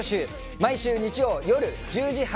毎週日曜夜１０時半